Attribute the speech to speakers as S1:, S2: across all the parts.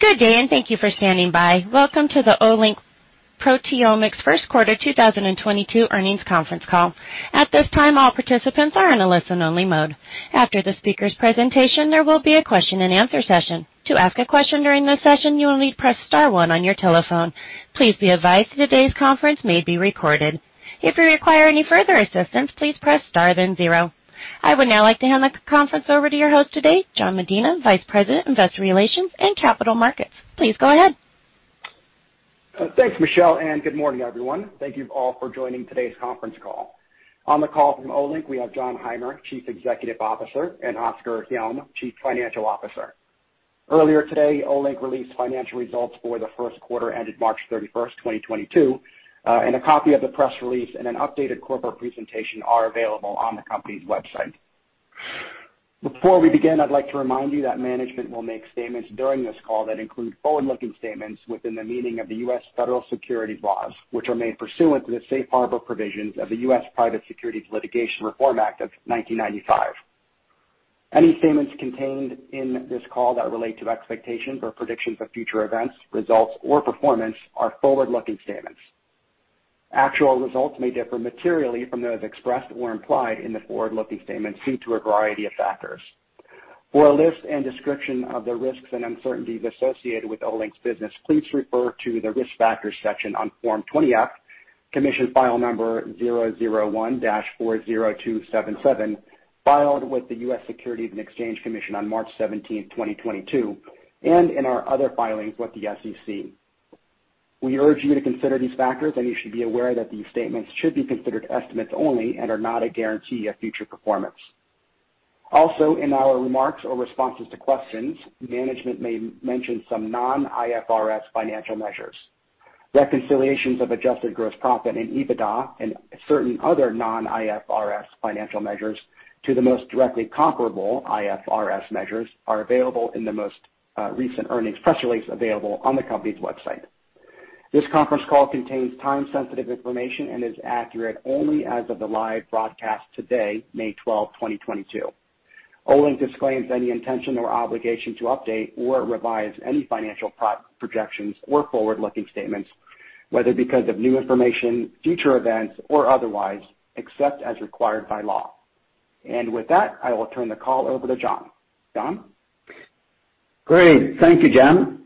S1: Good day, and thank you for standing by. Welcome to the Olink Proteomics first quarter 2022 earnings conference call. At this time, all participants are in a listen-only mode. After the speaker's presentation, there will be a question-and-answer session. To ask a question during this session, you will need to press star one on your telephone. Please be advised today's conference may be recorded. If you require any further assistance, please press star then zero. I would now like to hand the conference over to your host today, Jan Medina, Vice President, Investor Relations and Capital Markets. Please go ahead.
S2: Thanks, Michelle, and good morning, everyone. Thank you all for joining today's conference call. On the call from Olink, we have Jon Heimer, Chief Executive Officer, and Oskar Hjelm, Chief Financial Officer. Earlier today, Olink released financial results for the first quarter ended March 31, 2022, and a copy of the press release and an updated corporate presentation are available on the company's website. Before we begin, I'd like to remind you that management will make statements during this call that include forward-looking statements within the meaning of the U.S. Federal securities laws, which are made pursuant to the Safe Harbor provisions of the U.S. Private Securities Litigation Reform Act of 1995. Any statements contained in this call that relate to expectations or predictions of future events, results, or performance are forward-looking statements. Actual results may differ materially from those expressed or implied in the forward-looking statements due to a variety of factors. For a list and description of the risks and uncertainties associated with Olink's business, please refer to the Risk Factors section on Form 20-F, Commission File Number 001-40277, filed with the US Securities and Exchange Commission on March 17, 2022, and in our other filings with the SEC. We urge you to consider these factors, and you should be aware that these statements should be considered estimates only and are not a guarantee of future performance. Also, in our remarks or responses to questions, management may mention some non-IFRS financial measures. Reconciliations of Adjusted gross profit and EBITDA and certain other non-IFRS financial measures to the most directly comparable IFRS measures are available in the most recent earnings press release available on the company's website. This conference call contains time-sensitive information and is accurate only as of the live broadcast today, May 12, 2022. Olink disclaims any intention or obligation to update or revise any financial projections or forward-looking statements, whether because of new information, future events, or otherwise, except as required by law. With that, I will turn the call over to Jon. Jon?
S3: Great. Thank you, Jan.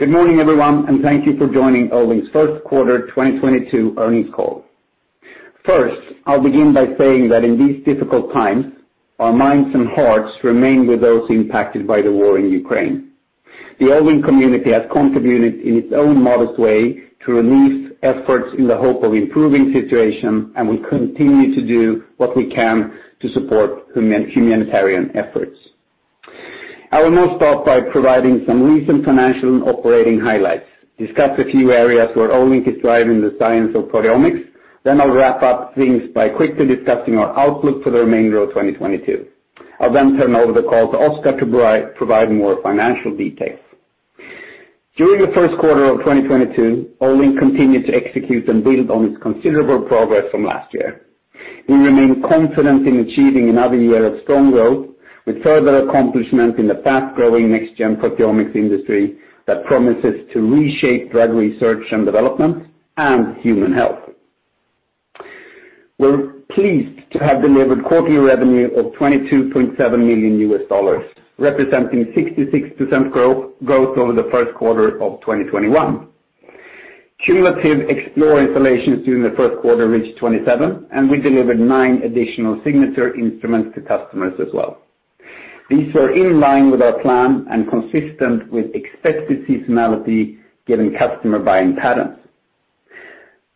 S3: Good morning, everyone, and thank you for joining Olink's first quarter 2022 earnings call. First, I'll begin by saying that in these difficult times, our minds and hearts remain with those impacted by the war in Ukraine. The Olink community has contributed in its own modest way to relief efforts in the hope of improving situation, and we continue to do what we can to support humanitarian efforts. I will now start by providing some recent financial and operating highlights, discuss a few areas where Olink is driving the science of proteomics, then I'll wrap up things by quickly discussing our outlook for the remainder of 2022. I'll then turn over the call to Oskar to provide more financial details. During the first quarter of 2022, Olink continued to execute and build on its considerable progress from last year. We remain confident in achieving another year of strong growth with further accomplishment in the fast-growing Next-Gen Proteomics industry that promises to reshape drug research and development and human health. We're pleased to have delivered quarterly revenue of $22.7 million, representing 66% growth over the first quarter of 2021. Cumulative Olink Explore installations during the first quarter reached 27, and we delivered nine additional Olink Signature instruments to customers as well. These are in line with our plan and consistent with expected seasonality given customer buying patterns.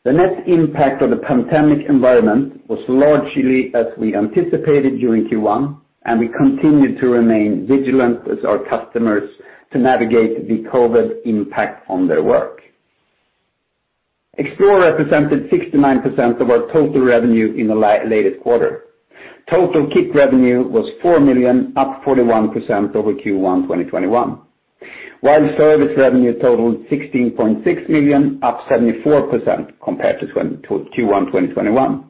S3: The net impact of the pandemic environment was largely as we anticipated during Q1, and we continued to remain vigilant as our customers navigate the COVID impact on their work. Olink Explore represented 69% of our total revenue in the latest quarter. Total kit revenue was $ 4 million, up 41% over Q1 2021, while service revenue totaled $ 16.6 million, up 74% compared to Q1 2021.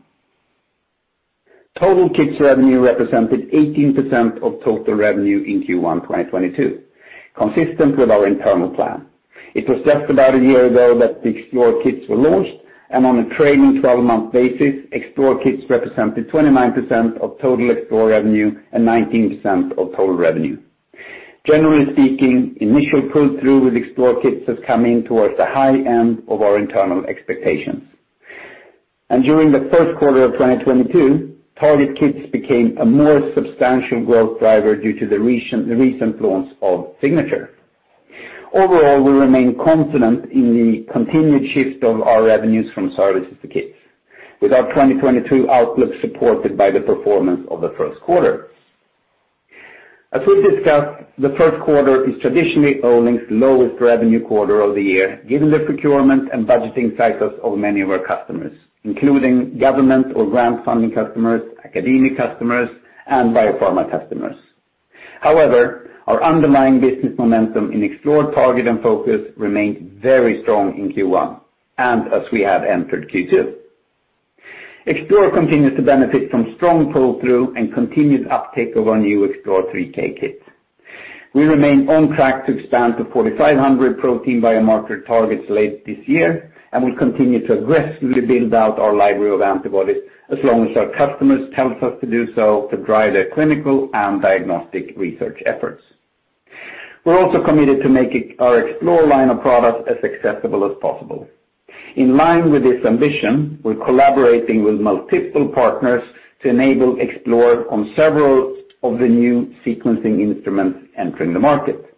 S3: Total kits revenue represented 18% of total revenue in Q1 2022, consistent with our internal plan. It was just about a year ago that the Explore kits were launched, and on a trailing 12-month basis, Explore kits represented 29% of total Explore revenue and 19% of total revenue. Generally speaking, initial pull-through with Explore kits has come in towards the high end of our internal expectations. During the first quarter of 2022, Target kits became a more substantial growth driver due to the recent launch of Signature. Overall, we remain confident in the continued shift of our revenues from services to kits, with our 2022 outlook supported by the performance of the first quarter. As we've discussed, the first quarter is traditionally Olink's lowest revenue quarter of the year, given the procurement and budgeting cycles of many of our customers, including government or grant funding customers, academic customers, and biopharma customers. However, our underlying business momentum in Explore, Target, and Focus remained very strong in Q1 and as we have entered Q2. Explore continues to benefit from strong pull-through and continued uptake of our new Explore 3K kits. We remain on track to expand to 4,500 protein biomarker targets late this year, and we'll continue to aggressively build out our library of antibodies as long as our customers tells us to do so to drive their clinical and diagnostic research efforts. We're also committed to making our Explore line of products as accessible as possible. In line with this ambition, we're collaborating with multiple partners to enable Explore on several of the new sequencing instruments entering the market.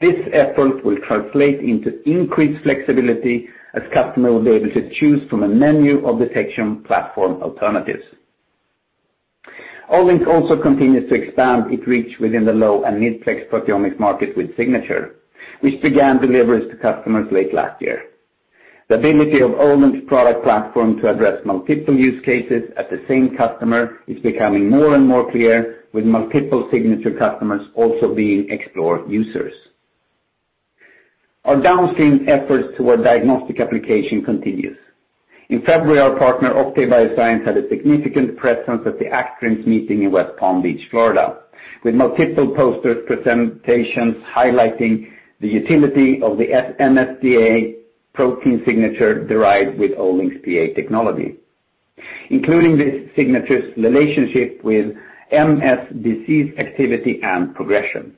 S3: This effort will translate into increased flexibility as customer will be able to choose from a menu of detection platform alternatives. Olink also continues to expand its reach within the low and mid-plex Proteomics Market with Signature, which began deliveries to customers late last year. The ability of Olink's product platform to address multiple use cases at the same customer is becoming more and more clear, with multiple Signature customers also being Explore users. Our downstream efforts toward diagnostic application continues. In February, our partner, Octave Bioscience, had a significant presence at the ACTRIMS meeting in West Palm Beach, Florida, with multiple poster presentations highlighting the utility of the MSDA protein signature derived with Olink's PEA technology, including this signature's relationship with MS disease activity and progression.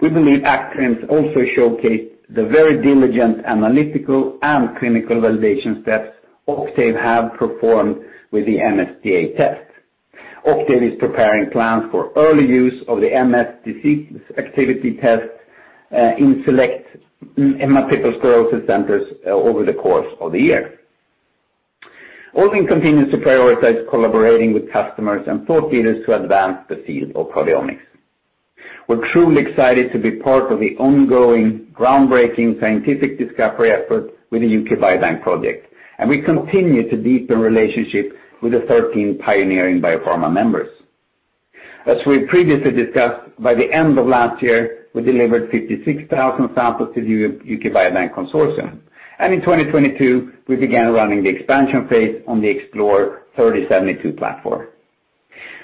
S3: We believe ACTRIMS also showcased the very diligent analytical and clinical validation steps Octave have performed with the MSDA test. Octave is preparing plans for early use of the MS disease activity test in select multiple sclerosis centers over the course of the year. Olink continues to prioritize collaborating with customers and thought leaders to advance the field of proteomics. We're truly excited to be part of the ongoing groundbreaking scientific discovery effort with the U.K. Biobank project, and we continue to deepen relationship with the 13 pioneering biopharma members. As we previously discussed, by the end of last year, we delivered 56,000 samples to U.K. Biobank Consortium, and in 2022, we began running the expansion phase on the Explore 3072 platform.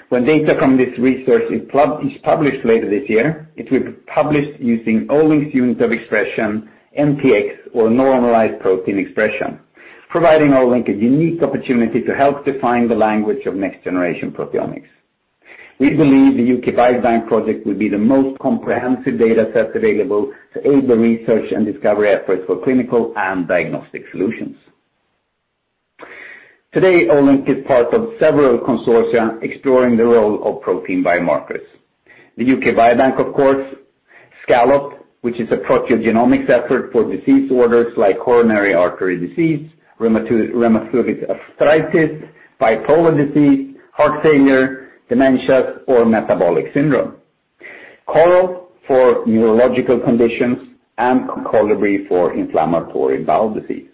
S3: When data from this research is published later this year, it will be published using Olink's unit of expression, NPX, or Normalized Protein eXpression, providing Olink a unique opportunity to help define the language of Next-Generation Proteomics. We believe the U.K. Biobank project will be the most comprehensive data set available to aid the research and discovery efforts for clinical and diagnostic solutions. Today, Olink is part of several consortia exploring the role of protein biomarkers. The U.K. Biobank, of course, SCALLOP, which is a Proteogenomics effort for disorders like coronary artery disease, rheumatoid arthritis, bipolar disease, heart failure, dementia, or metabolic syndrome. CORAL for neurological conditions, and COLLIBRI for inflammatory bowel disease.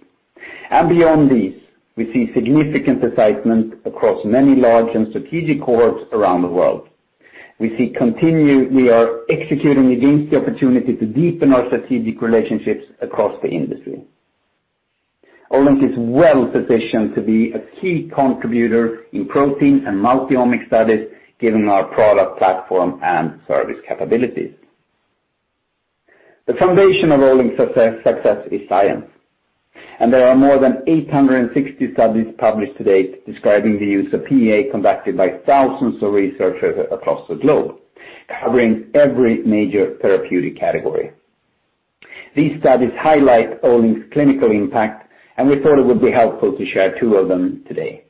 S3: Beyond these, we see significant excitement across many large and strategic cohorts around the world. We are executing against the opportunity to deepen our strategic relationships across the industry. Olink is well-positioned to be a key contributor in protein and multi-omic studies, given our product platform and service capabilities. The foundation of Olink's success is science, and there are more than 860 studies published to date describing the use of PEA conducted by thousands of researchers across the globe, covering every major therapeutic category. These studies highlight Olink's clinical impact, and we thought it would be helpful to share two of them today.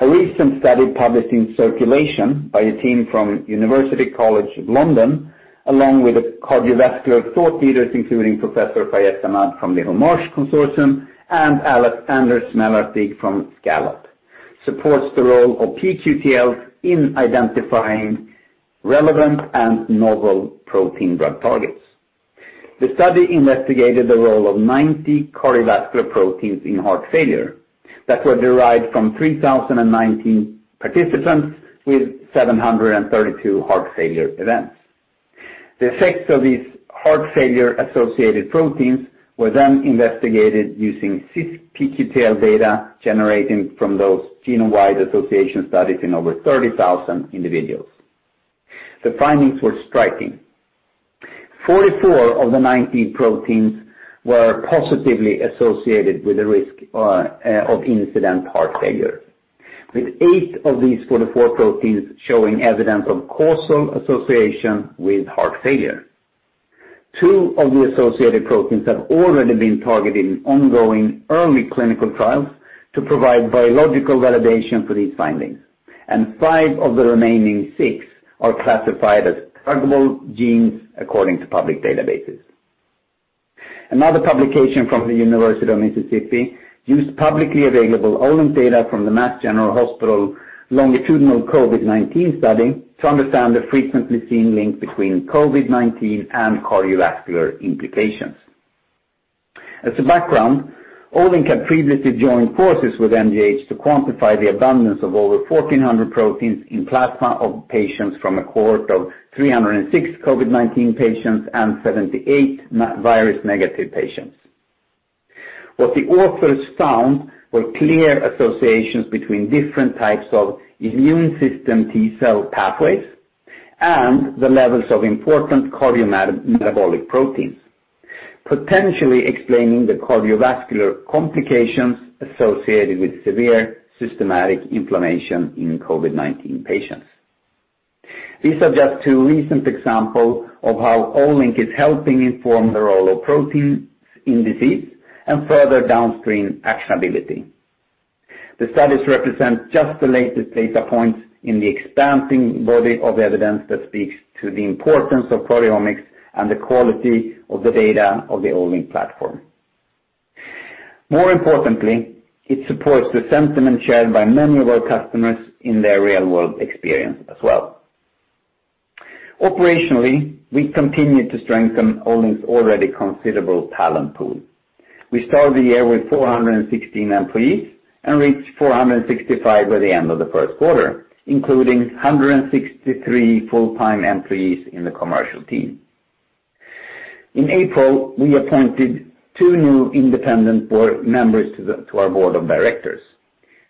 S3: A recent study published in Circulation by a team from University College London, along with cardiovascular thought leaders, including Professor Fayyaz Ahmad from Hamad Consortium and Anders Mälarstig from SCALLOP, supports the role of pQTLs in identifying relevant and novel protein drug targets. The study investigated the role of 90 cardiovascular proteins in heart failure that were derived from 3,019 participants with 732 heart failure events. The effects of these heart failure-associated proteins were then investigated using cis-pQTL data generated from those genome-wide association studies in over 30,000 individuals. The findings were striking. 44 of the 90 proteins were positively associated with the risk of incident heart failure, with eight of these 44 proteins showing evidence of causal association with heart failure. Two of the associated proteins have already been targeted in ongoing early clinical trials to provide biological validation for these findings, and five of the remaining six are classified as druggable genes according to public databases. Another publication from the University of Mississippi used publicly available Olink data from the Mass General Hospital longitudinal COVID-19 study to understand the frequently seen link between COVID-19 and cardiovascular implications. As a background, Olink had previously joined forces with MGH to quantify the abundance of over 1,400 proteins in plasma of patients from a cohort of 306 COVID-19 patients and 78 virus negative patients. What the authors found were clear associations between different types of immune system T-cell pathways and the levels of important cardiometabolic proteins, potentially explaining the cardiovascular complications associated with severe systemic inflammation in COVID-19 patients. These are just two recent examples of how Olink is helping inform the role of proteins in disease and further downstream actionability. The studies represent just the latest data points in the expanding body of evidence that speaks to the importance of proteomics and the quality of the data of the Olink platform. More importantly, it supports the sentiment shared by many of our customers in their real-world experience as well. Operationally, we continue to strengthen Olink's already considerable talent pool. We started the year with 416 employees and reached 465 by the end of the first quarter, including 163 full-time employees in the commercial team. In April, we appointed two new independent board members to our Board of Directors,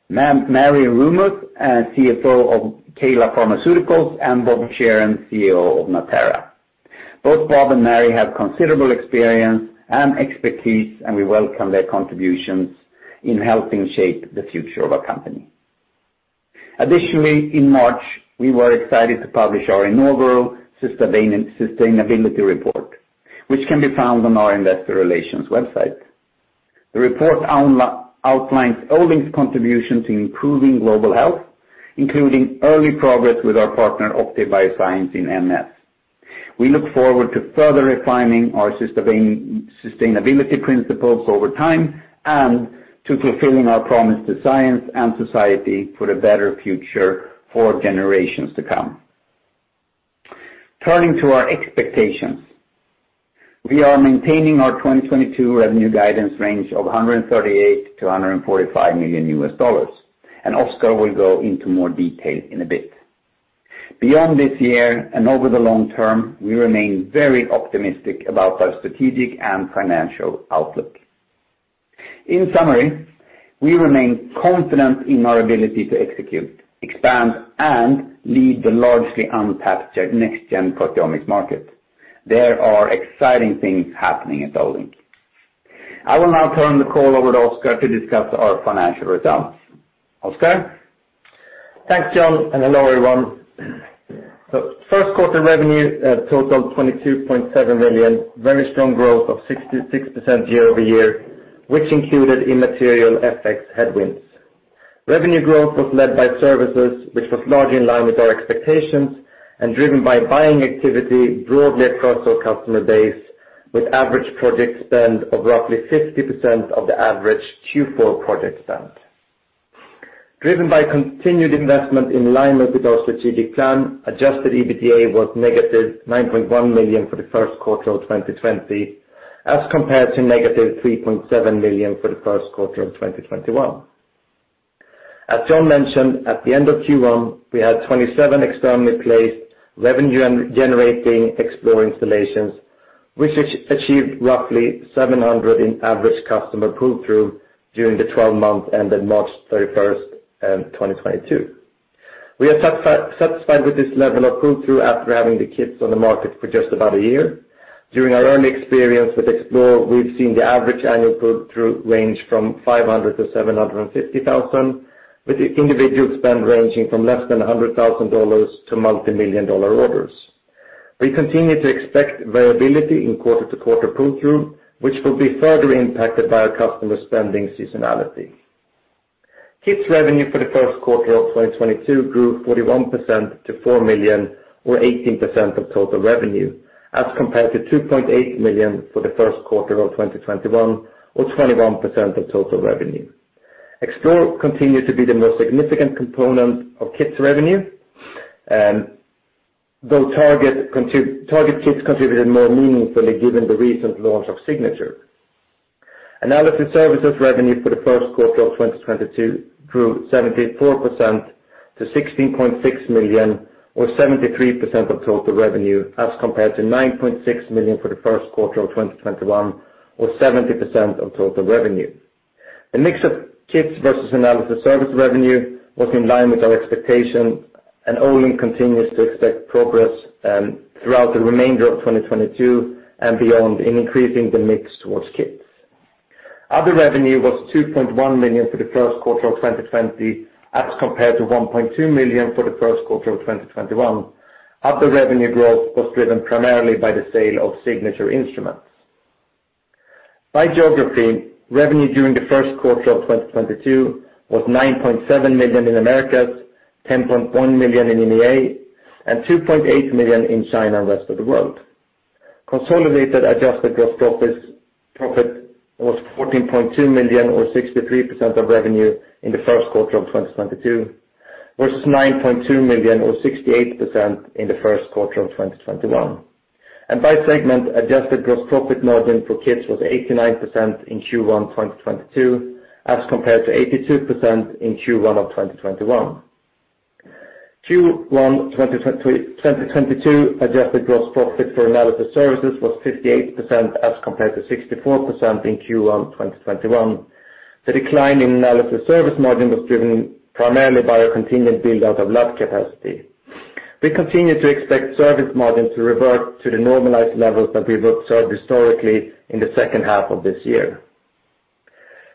S3: Mary Reumuth, CFO of Kala Pharmaceuticals, and Robert Schueren, CEO of Natera. Both Bob and Mary have considerable experience and expertise, and we welcome their contributions in helping shape the future of our company. Additionally, in March, we were excited to publish our inaugural sustainability report, which can be found on our investor relations website. The report outlines Olink's contribution to improving global health, including early progress with our partner, Octave Bioscience, in MS. We look forward to further refining our sustainability principles over time and to fulfilling our promise to science and society for a better future for generations to come. Turning to our expectations, we are maintaining our 2022 revenue guidance range of $138 million-$145 million, and Oskar will go into more detail in a bit. Beyond this year and over the long term, we remain very optimistic about our strategic and financial outlook. In summary, we remain confident in our ability to execute, expand, and lead the largely untapped Next-Gen Proteomics Market. There are exciting things happening at Olink. I will now turn the call over to Oskar to discuss our financial results. Oskar.
S4: Thanks, Jon, and hello, everyone. First quarter revenue totaled $22.7 million, very strong growth of 66% year-over-year, which included immaterial FX headwinds. Revenue growth was led by services, which was largely in line with our expectations and driven by biopharma activity broadly across our customer base, with average project spend of roughly 50% of the average Q4 project spend. Driven by continued investment in line with our strategic plan, Adjusted EBITDA was -$9.1 million for the first quarter of 2020, as compared to -$3.7 million for the first quarter of 2021. As John mentioned, at the end of Q1, we had 27 externally placed revenue-generating Explore installations, which achieved roughly 700 in average customer pull-through during the 12-month ended March 31, 2022. We are satisfied with this level of pull-through after having the kits on the market for just about a year. During our early experience with Explore, we've seen the average annual pull-through range from $500,000-$750,000, with the individual spend ranging from less than $100,000 to multimillion-dollar orders. We continue to expect variability in quarter-to-quarter pull-through, which will be further impacted by our customer spending seasonality. Kits revenue for the first quarter of 2022 grew 41% to $4 million or 18% of total revenue, as compared to $2.8 million for the first quarter of 2021, or 21% of total revenue. Explore continued to be the most significant component of kits revenue, though target kits contributed more meaningfully given the recent launch of Signature. Analysis services revenue for the first quarter of 2022 grew 74% to $ 16.6 million, or 73% of total revenue, as compared to$ 9.6 million for the first quarter of 2021, or 70% of total revenue. The mix of kits versus analysis service revenue was in line with our expectation, and Olink continues to expect progress throughout the remainder of 2022 and beyond in increasing the mix towards kits. Other revenue was $ 2.1 million for the first quarter of 2022, as compared to $ 1.2 million for the first quarter of 2021. Other revenue growth was driven primarily by the sale of Signature instruments. By geography, revenue during the first quarter of 2022 was $ 9.7 million in Americas, $ 10.1 million in EMEA, and $ 2.8 million in China and rest of the world. Consolidated adjusted gross profit was $ 14.2 million, or 63% of revenue in the first quarter of 2022, versus $ 9.2 million or 68% in the first quarter of 2021. By segment, adjusted gross profit margin for kits was 89% in Q1 2022, as compared to 82% in Q1 of 2021. Q1 2022 adjusted gross profit for analysis services was 58% as compared to 64% in Q1 2021. The decline in analysis service margin was driven primarily by our continued build-out of lab capacity. We continue to expect service margin to revert to the normalized levels that we've observed historically in the second half of this year.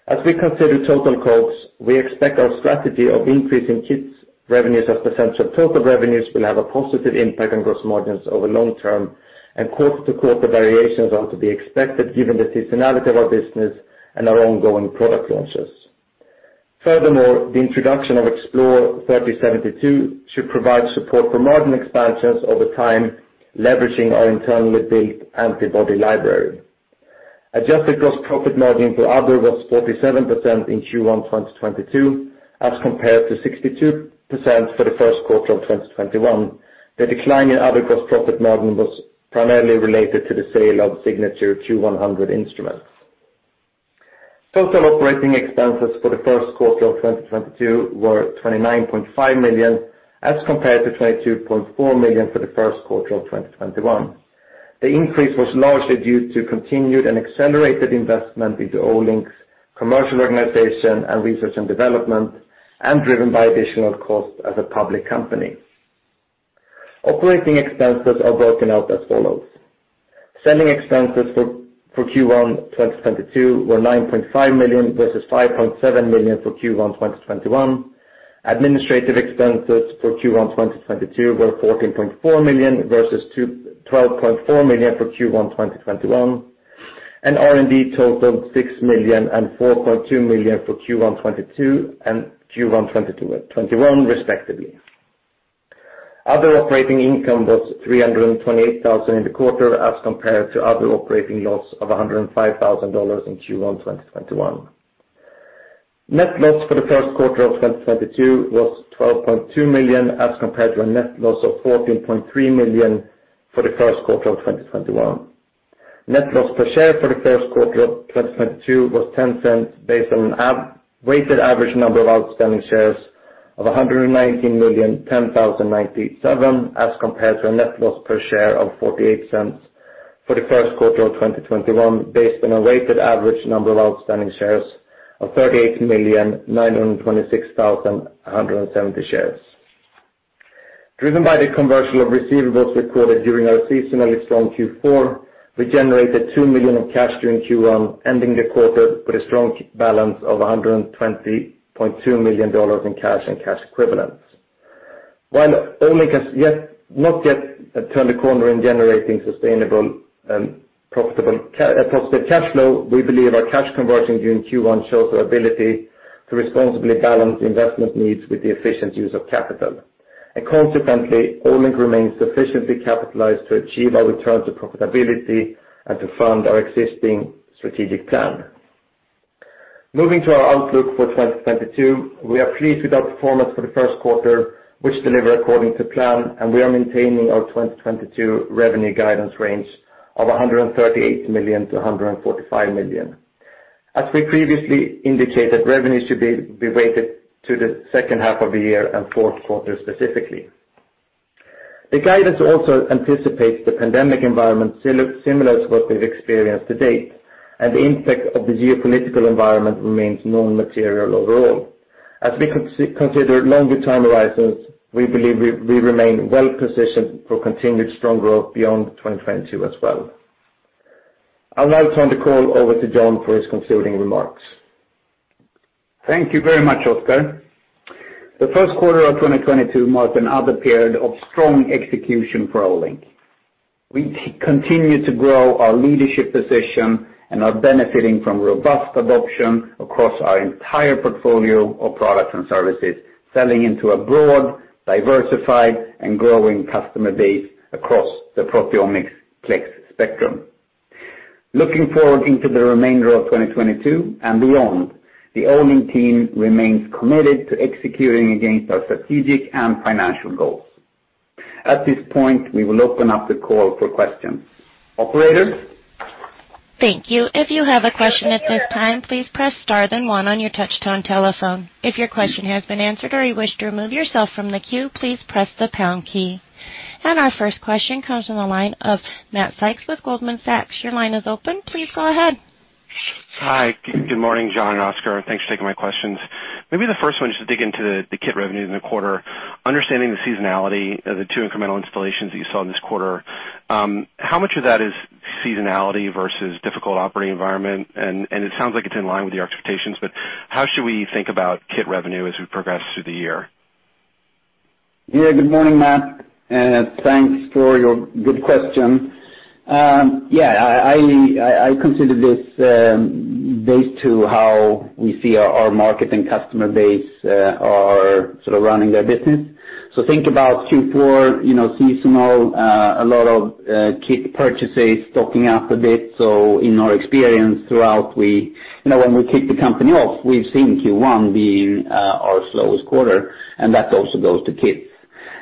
S4: As we consider total quotes, we expect our strategy of increasing kits revenues as a percent of total revenues will have a positive impact on gross margins over long term, and quarter-to-quarter variations are to be expected given the seasonality of our business and our ongoing product launches. Furthermore, the introduction of Olink Explore 3072 should provide support for margin expansions over time, leveraging our internally built antibody library. Adjusted gross profit margin for Other was 47% in Q1 2022 as compared to 62% for the first quarter of 2021. The decline in Other gross profit margin was primarily related to the sale of Signature Q100 instruments. Total operating expenses for the first quarter of 2022 were $ 29.5 million, as compared to $22.4 million for the first quarter of 2021. The increase was largely due to continued and accelerated investment into Olink's commercial organization and research and development, and driven by additional costs as a public company. Operating expenses are broken out as follows. Selling expenses for Q1 2022 were $ 9.5 million versus $ 5.7 million for Q1 2021. Administrative expenses for Q1 2022 were $ 14.4 million versus $ 12.4 million for Q1 2021. R&D totaled $ 6 million and $ 4.2 million for Q1 2022 and Q1 2021, respectively. Other operating income was $ 328,000 in the quarter as compared to other operating loss of $105,000 in Q1 2021. Net loss for the first quarter of 2022 was $12.2 million, as compared to a net loss of $14.3 million for the first quarter of 2021. Net-loss per share for the first quarter of 2022 was $0.10 based on a weighted average number of outstanding shares of 119,010,097, as compared to a net-loss per share of $0.48 for the first quarter of 2021 based on a weighted average number of outstanding shares of 38,926,170 shares. Driven by the conversion of receivables recorded during our seasonally strong Q4, we generated $2 million of cash during Q1, ending the quarter with a strong balance of $120.2 million in cash and cash equivalents. While Olink has not yet turned a corner in generating sustainable, profitable positive cash flow, we believe our cash conversion during Q1 shows our ability to responsibly balance investment needs with the efficient use of capital. Consequently, Olink remains sufficiently capitalized to achieve our return to profitability and to fund our existing strategic plan. Moving to our outlook for 2022, we are pleased with our performance for the first quarter, which delivered according to plan, and we are maintaining our 2022 revenue guidance range of $ 138 million-$ 145 million. As we previously indicated, revenue should be weighted to the second half of the year and fourth quarter specifically. The guidance also anticipates the pandemic environment similar to what we've experienced to date, and the impact of the geopolitical environment remains non-material overall. As we consider longer time horizons, we believe we remain well-positioned for continued strong growth beyond 2022 as well. I'll now turn the call over to Jon for his concluding remarks.
S3: Thank you very much, Oskar. The first quarter of 2022 marked another period of strong execution for Olink. We continue to grow our leadership position and are benefiting from robust adoption across our entire portfolio of products and services, selling into a broad, diversified, and growing customer base across the proteomics plex spectrum. Looking forward into the remainder of 2022 and beyond, the Olink team remains committed to executing against our strategic and financial goals. At this point, we will open up the call for questions. Operator?
S1: Thank you. If you have a question at this time, please press star then one on your touchtone telephone. If your question has been answered or you wish to remove yourself from the queue, please press the pound key. Our first question comes from the line of Matt Sykes with Goldman Sachs. Your line is open. Please go ahead.
S5: Hi. Good morning, Jon and Oskar. Thanks for taking my questions. Maybe the first one, just to dig into the kit revenue in the quarter. Understanding the seasonality of the two incremental installations that you saw in this quarter, how much of that is seasonality versus difficult operating environment? It sounds like it's in line with your expectations, but how should we think about kit revenue as we progress through the year?
S3: Yeah. Good morning, Matt, and thanks for your good question. Yeah, I consider this based on how we see our market and customer base are sort of running their business. Think about Q4, you know, seasonal, a lot of kit purchases stocking up a bit. In our experience throughout, you know, when we kick the company off, we've seen Q1 being our slowest quarter, and that also goes to kits.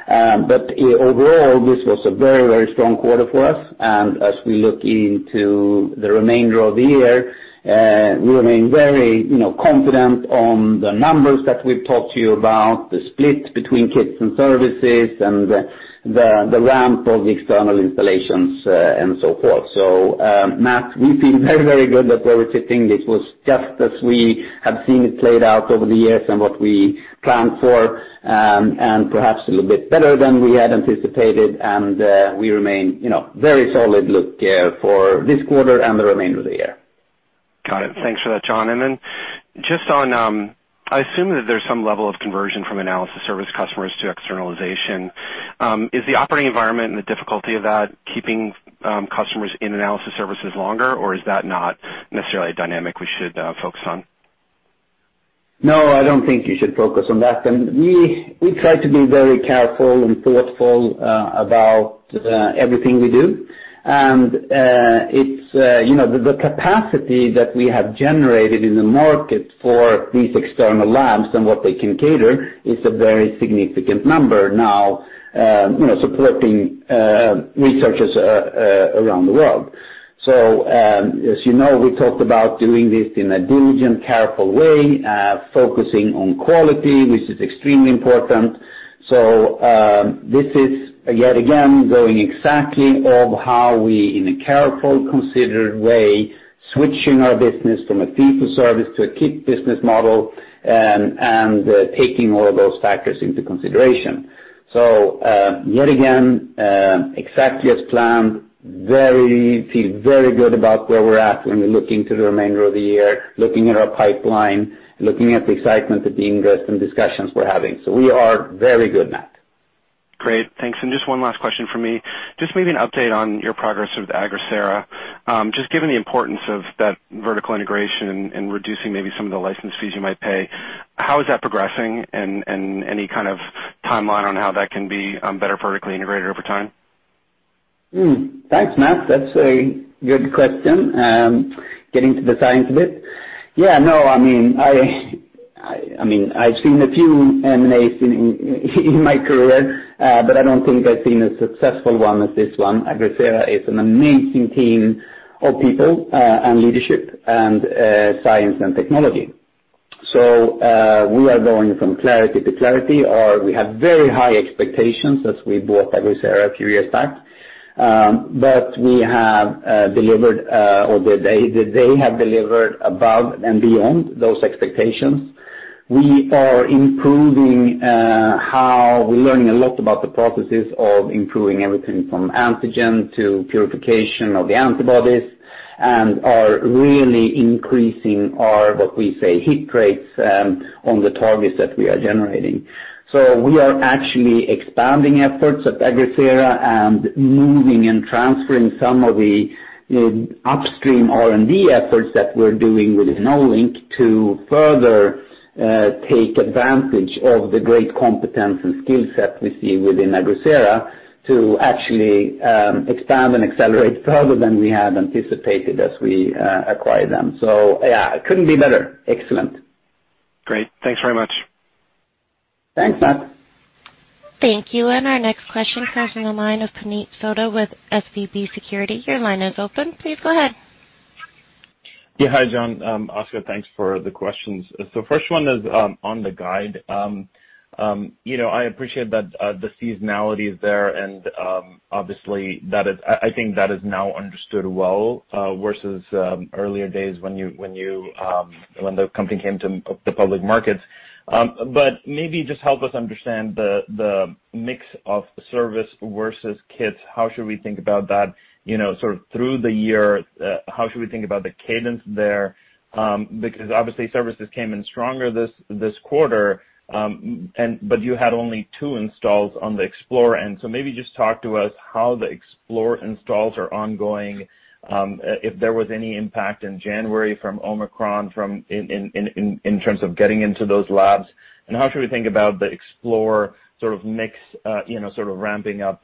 S3: Overall, this was a very, very strong quarter for us. As we look into the remainder of the year, we remain very, you know, confident on the numbers that we've talked to you about, the split between kits and services and the ramp of the external installations, and so forth. Matt, we feel very, very good about where we're sitting. This was just as we have seen it played out over the years and what we planned for, and perhaps a little bit better than we had anticipated. We remain, you know, very solid outlook for this quarter and the remainder of the year.
S5: Got it. Thanks for that, Jon. Just on, I assume that there's some level of conversion from analysis service customers to externalization. Is the operating environment and the difficulty of that keeping customers in analysis services longer, or is that not necessarily a dynamic we should focus on?
S3: No, I don't think you should focus on that. We try to be very careful and thoughtful about everything we do. It's you know, the capacity that we have generated in the market for these external labs and what they can cater is a very significant number now, you know, supporting researchers around the world. As you know, we talked about doing this in a diligent, careful way, focusing on quality, which is extremely important. This is yet again going exactly of how we, in a careful, considered way, switching our business from a fee for service to a kit business model and taking all of those factors into consideration. Yet again, exactly as planned, feel very good about where we're at when we look into the remainder of the year, looking at our pipeline, looking at the excitement that the interest and discussions we're having. We are very good, Matt.
S5: Great. Thanks. Just one last question for me. Just maybe an update on your progress with Agrisera. Just given the importance of that vertical integration and reducing maybe some of the license fees you might pay, how is that progressing? Any kind of timeline on how that can be better vertically integrated over time?
S3: Thanks, Matt. That's a good question. Getting to the science of it. I mean, I've seen a few M&As in my career, but I don't think I've seen a successful one like this one. Agrisera is an amazing team of people, and leadership and science and technology. We are going from strength to strength, or we have very high expectations as we bought Agrisera a few years back. We have delivered, or they have delivered above and beyond those expectations. We are improving how we're learning a lot about the processes of improving everything from antigen to purification of the antibodies, and are really increasing our what we say hit rates on the targets that we are generating. We are actually expanding efforts at Agrisera and moving and transferring some of the the upstream R&D efforts that we're doing with Olink to further take advantage of the great competence and skill set we see within Agrisera to actually expand and accelerate further than we had anticipated as we acquired them. Yeah, it couldn't be better. Excellent.
S5: Great. Thanks very much.
S3: Thanks, Matt.
S1: Thank you. Our next question comes from the line of Puneet Souda with SVB Securities. Your line is open. Please go ahead.
S6: Yeah, hi, Jon, Oskar. Also thanks for the questions. First one is on the guide. You know, I appreciate that the seasonality is there, and obviously that is now understood well versus earlier days when the company came to the public markets. Maybe just help us understand the mix of service versus kits. How should we think about that, you know, sort of through the year? How should we think about the cadence there? Because obviously services came in stronger this quarter, but you had only two installs on the Explore. Maybe just talk to us how the Explorer installs are ongoing, if there was any impact in January from Omicron in terms of getting into those labs. How should we think about the Explorer sort of mix, you know, sort of ramping up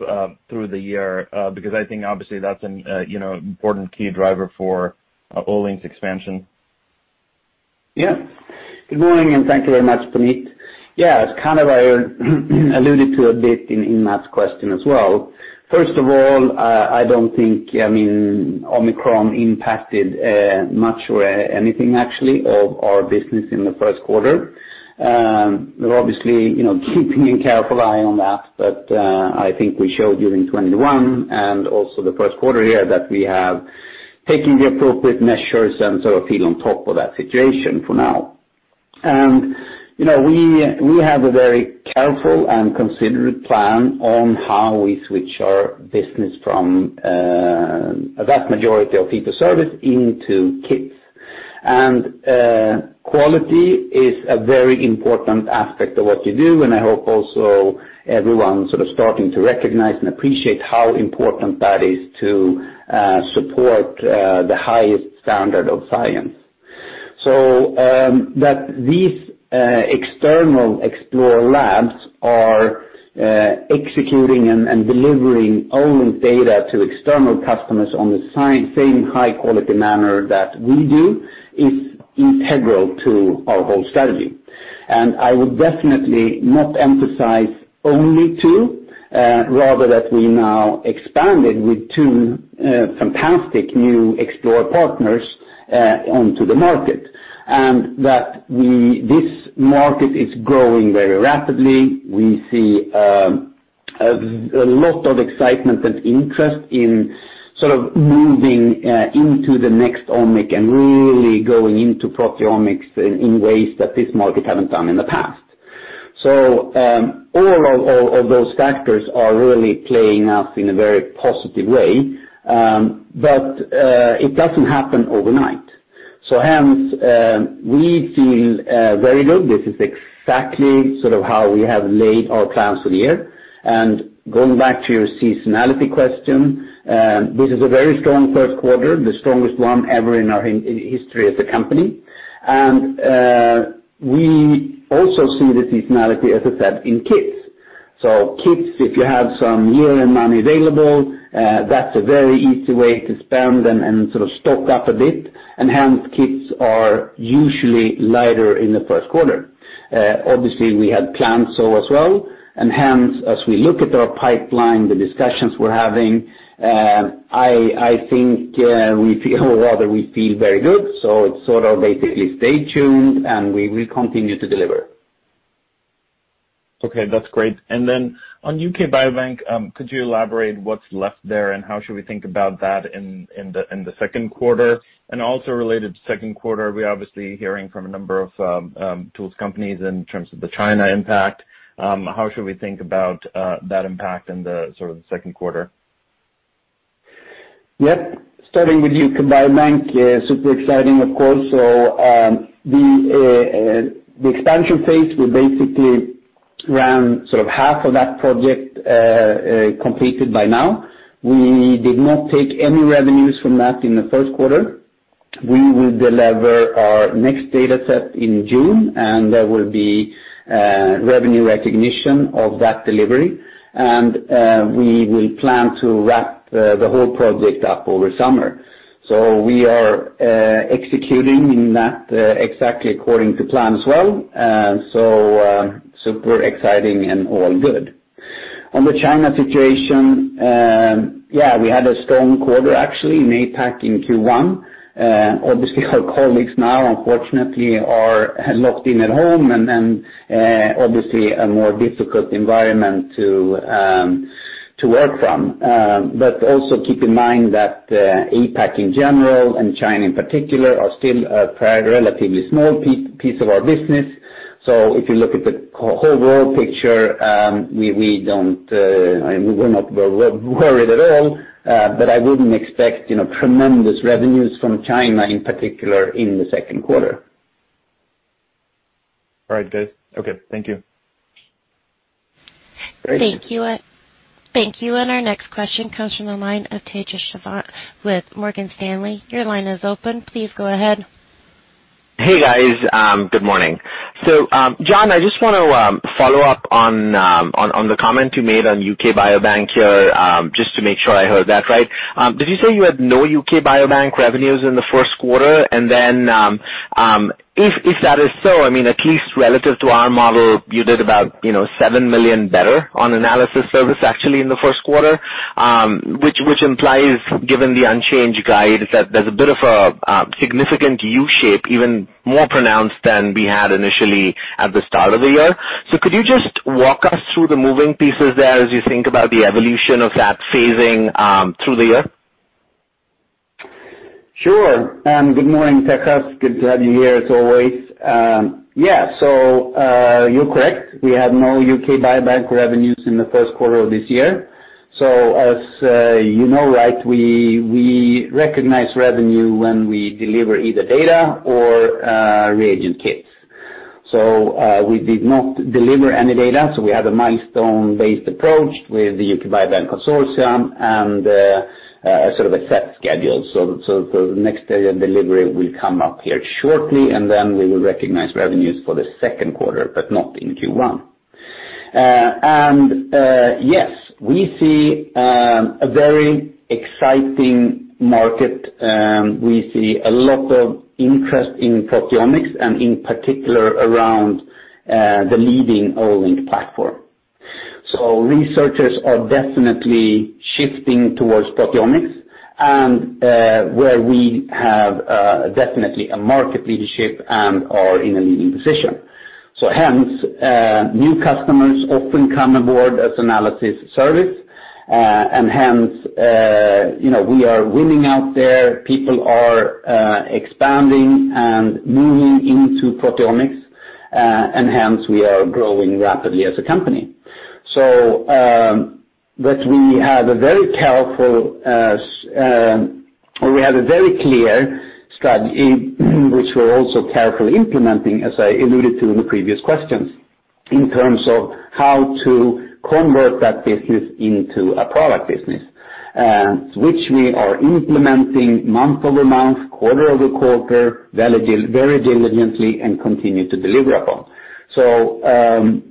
S6: through the year? Because I think obviously that's an you know important key driver for Olink's expansion.
S3: Yeah. Good morning, and thank you very much, Puneet. Yeah, it's kind of, I alluded to a bit in Matt's question as well. First of all, I don't think, I mean, Omicron impacted much or anything actually of our business in the first quarter. We're obviously, you know, keeping a careful eye on that, but I think we showed you in 2021 and also the first quarter here that we have taken the appropriate measures and sort of feel on top of that situation for now. You know, we have a very careful and considered plan on how we switch our business from a vast majority of fee for service into kits. Quality is a very important aspect of what you do, and I hope also everyone sort of starting to recognize and appreciate how important that is to support the highest standard of science. That these external Explore labs are executing and delivering Olink data to external customers on the same high quality manner that we do is integral to our whole strategy. I would definitely not emphasize only two rather that we now expanded with two fantastic new Explore partners onto the market. That this market is growing very rapidly. We see a lot of excitement and interest in sort of moving into the Next-Omic and really going into proteomics in ways that this market haven't done in the past. All those factors are really playing out in a very positive way, but it doesn't happen overnight. Hence, we feel very good. This is exactly sort of how we have laid our plans for the year. Going back to your seasonality question, this is a very strong first quarter, the strongest one ever in our history as a company. We also see the seasonality, as I said, in kits. Kits, if you have some year-end money available, that's a very easy way to spend and sort of stock up a bit, and hence, kits are usually lighter in the first quarter. Obviously, we had planned so as well, and hence, as we look at our pipeline, the discussions we're having, I think, we feel very good. It's sort of basically stay tuned, and we will continue to deliver.
S6: Okay, that's great. On U.K. Biobank, could you elaborate what's left there, and how should we think about that in the second quarter? Also related to second quarter, we're obviously hearing from a number of tools companies in terms of the China impact. How should we think about that impact in the sort of the second quarter?
S3: Yep. Starting with U.K. Biobank, super exciting, of course. The expansion phase will basically run sort of half of that project completed by now. We did not take any revenues from that in the first quarter. We will deliver our next data set in June, and there will be revenue recognition of that delivery. We will plan to wrap the whole project up over summer. We are executing in that exactly according to plan as well. Super exciting and all good. On the China situation, yeah, we had a strong quarter actually in APAC in Q1. Obviously, our colleagues now unfortunately are locked in at home and then obviously a more difficult environment to work from. Also keep in mind that APAC in general and China in particular are still a relatively small piece of our business. If you look at the whole world picture, we're not worried at all, but I wouldn't expect, you know, tremendous revenues from China in particular in the second quarter.
S6: All right, good. Okay, thank you.
S3: Great.
S1: Thank you. Thank you. Our next question comes from the line of Tejas Savant with Morgan Stanley. Your line is open. Please go ahead.
S7: Hey, guys. Good morning. Jon, I just want to follow up on the comment you made on U.K. Biobank here, just to make sure I heard that right. Did you say you had no U.K. Biobank revenues in the first quarter? If that is so, I mean, at least relative to our model, you did about, you know, $7 million better on analysis service actually in the first quarter. Which implies, given the unchanged guide, is that there's a bit of a significant U shape, even more pronounced than we had initially at the start of the year. Could you just walk us through the moving pieces there as you think about the evolution of that phasing through the year?
S3: Sure. Good morning, Tejas. Good to have you here as always. Yeah. You're correct. We had no U.K. Biobank revenues in the first quarter of this year. As you know, right, we recognize revenue when we deliver either data or reagent kits. We did not deliver any data, so we had a milestone-based approach with the U.K. Biobank Consortium and sort of a set schedule. The next data delivery will come up here shortly, and then we will recognize revenues for the second quarter, but not in Q1. And yes, we see a very exciting market. We see a lot of interest in proteomics and in particular around the leading Olink platform. Researchers are definitely shifting towards Proteomics and where we have definitely a market leadership and are in a leading position. Hence, new customers often come aboard as analysis service and hence, you know, we are winning out there. People are expanding and moving into proteomics and hence we are growing rapidly as a company. But we have a very clear strategy which we're also carefully implementing, as I alluded to in the previous questions, in terms of how to convert that business into a product business, which we are implementing month-over-month, quarter-over-quarter, very diligently and continue to deliver upon.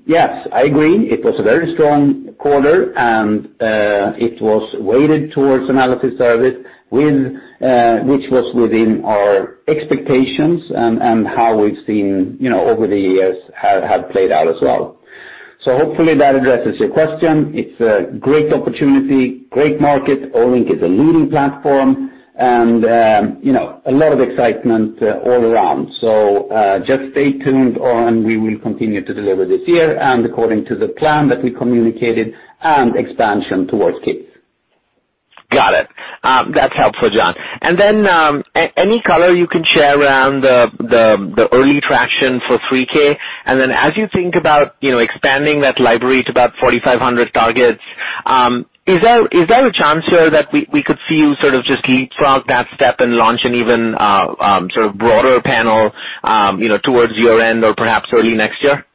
S3: Yes, I agree. It was a very strong quarter, and it was weighted towards analysis service with which was within our expectations and how we've seen, you know, over the years have played out as well. Hopefully that addresses your question. It's a great opportunity, great market. Olink is a leading platform and you know, a lot of excitement all around. Just stay tuned and we will continue to deliver this year and according to the plan that we communicated and expansion towards KIS.
S7: Got it. That's helpful, Jon. Any color you can share around the early traction for 3K. As you think about, you know, expanding that library to about 4,500 targets, is there a chance here that we could see you sort of just leapfrog that step and launch an even sort of broader panel, you know, towards year-end or perhaps early next year?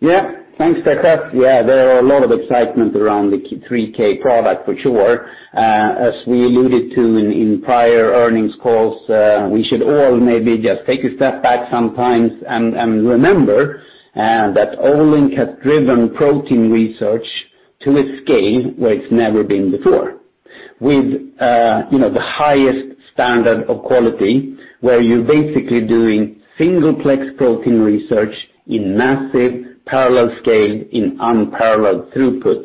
S3: Yeah. Thanks, Tejas. Yeah, there are a lot of excitement around the 3K product for sure. As we alluded to in prior earnings calls, we should all maybe just take a step back sometimes and remember that Olink has driven protein research to a scale where it's never been before with you know, the highest standard of quality, where you're basically doing single plex protein research in massive parallel scale in unparalleled throughput.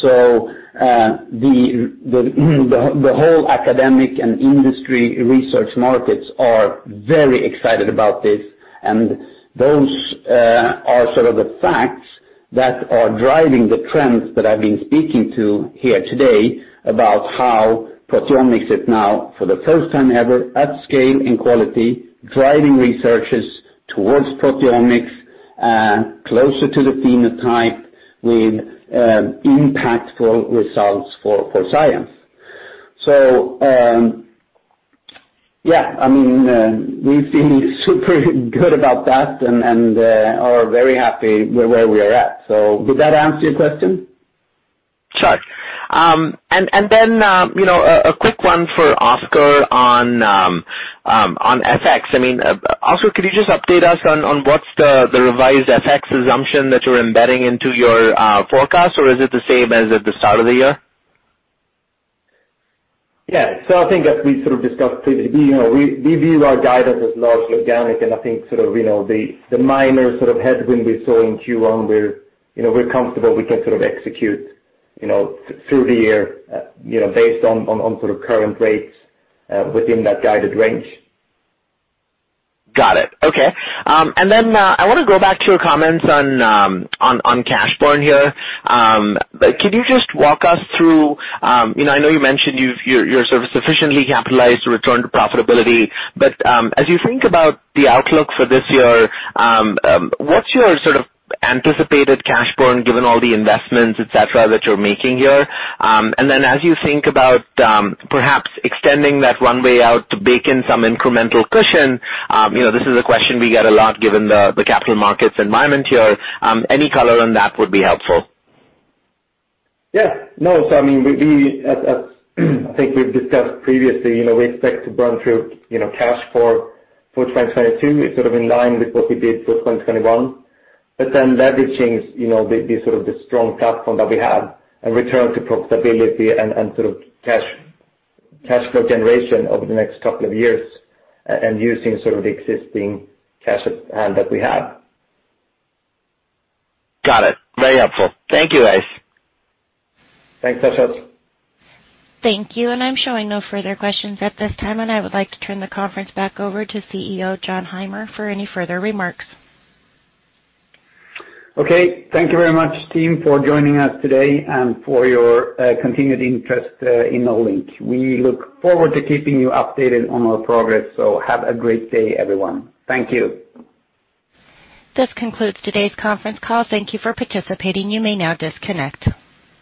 S3: So the whole academic and industry research markets are very excited about this, and those are sort of the facts that are driving the trends that I've been speaking to here today about how proteomics is now for the first time ever, at scale in quality, driving researches towards proteomics closer to the phenotype with impactful results for science. Yeah, I mean, we feel super good about that and are very happy where we are at. Did that answer your question?
S7: Sure. You know, a quick one for Oskar on FX. I mean, Oskar, could you just update us on what's the revised FX assumption that you're embedding into your forecast, or is it the same as at the start of the year?
S4: Yeah. I think as we sort of discussed previously, you know, we view our guidance as largely organic. I think sort of, you know, the minor sort of headwind we saw in Q1 where, you know, we're comfortable we can sort of execute, you know, through the year, you know, based on sort of current rates, within that guided range.
S7: Got it. Okay. Then, I want to go back to your comments on cash burn here. Can you just walk us through, you know, I know you mentioned you're sort of sufficiently capitalized to return to profitability. As you think about the outlook for this year, what's your sort of anticipated cash burn given all the investments, et cetera, that you're making here? Then as you think about, perhaps extending that runway out to bake in some incremental cushion, you know, this is a question we get a lot given the capital markets environment here. Any color on that would be helpful.
S4: Yeah. No. I mean, we, as I think we've discussed previously, you know, we expect to burn through, you know, cash for 2022. It's sort of in line with what we did for 2021. Then leveraging, you know, the sort of the strong platform that we have and return to profitability and sort of cash flow generation over the next couple of years and using sort of the existing cash at hand that we have.
S7: Got it. Very helpful. Thank you, guys.
S3: Thanks, Tejas.
S1: Thank you. I'm showing no further questions at this time, and I would like to turn the conference back over to CEO, Jon Heimer, for any further remarks.
S3: Okay. Thank you very much, team, for joining us today and for your continued interest in Olink. We look forward to keeping you updated on our progress. Have a great day, everyone. Thank you.
S1: This concludes today's conference call. Thank you for participating. You may now disconnect.